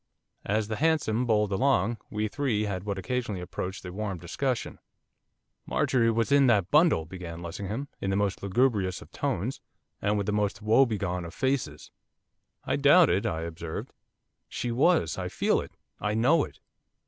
As the hansom bowled along we three had what occasionally approached a warm discussion. 'Marjorie was in that bundle,' began Lessingham, in the most lugubrious of tones, and with the most woebegone of faces. 'I doubt it,' I observed. 'She was, I feel it, I know it.